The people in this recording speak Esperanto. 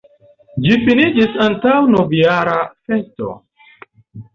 Ĝi finiĝis antaŭ novjara festo.